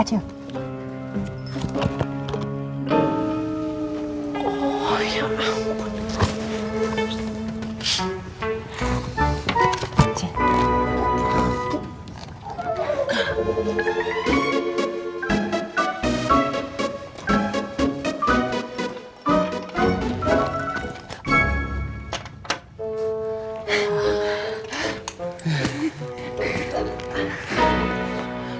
ciel ini aku